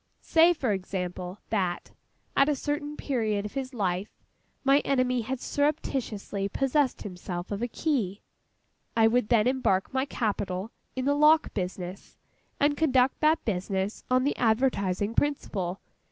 Say, for example, that, at a certain period of his life, my enemy had surreptitiously possessed himself of a key. I would then embark my capital in the lock business, and conduct that business on the advertising principle.